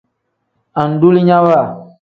Andulinyawa.